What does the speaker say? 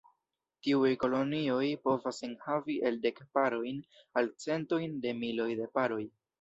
Tiuj kolonioj povas enhavi el dek parojn al centojn de miloj de paroj.